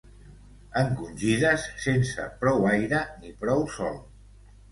Encongides sense prou aire ni prou sol.